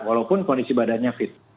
walaupun kondisi badannya fit